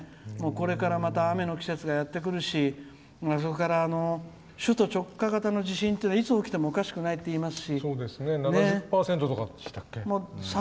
これから雨の季節がやってくるし首都直下型の地震ってのがいつ起きてもおかしくないって言いますし。